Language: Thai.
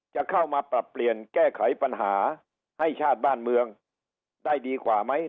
จะเข้ามาปรับเปลี่ยนแก้ไขปัญหาให้ชาติบ้านเมืองได้ดีกว่าไหม